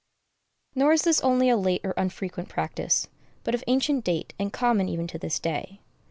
Nor is this only a late or unfrequent practice, but of ancient date and common even to this day.